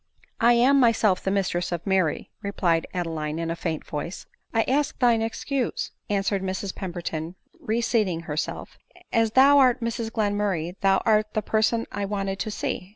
"*" I am myself the mistress of IVfiiry," replied Adeline in a faint voice. " I ask thine excuse," answered Mrs Pemberton, re seating herself ;" as thou art Mrs Glenmurray, thou art the person I wanted to see."